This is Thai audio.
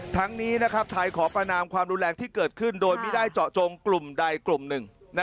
ทั้งนี้ไทยขอประนามความรุนแรงที่เกิดขึ้นโดยไม่ได้เจาะจงกลุ่มใดกลุ่มหนึ่ง